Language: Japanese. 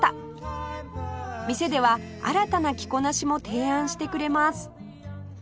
店では新たな着こなしも提案してくれます